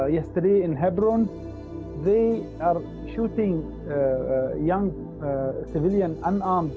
kemarin di hebron mereka menembak pembeda pedagang muda